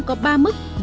có ba mức